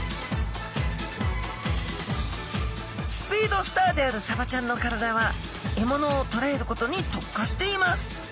スピードスターであるサバちゃんの体は獲物をとらえることに特化しています。